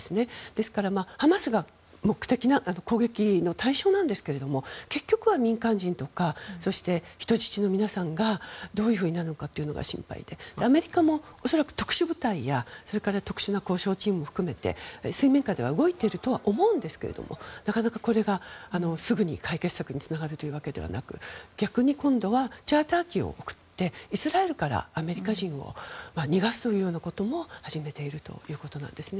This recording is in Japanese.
ですから、ハマスが攻撃の対象ですが結局は民間人とか人質の皆さんがどういうふうになるのかが心配でアメリカも恐らく特殊部隊やそれから特殊な交渉チーム含めて水面下では動いていると思うんですがなかなかこれが、すぐに解決策につながるというわけでもなく逆に今度はチャーター機を送ってイスラエルからアメリカ人を逃がすというようなことも始めているということなんですね。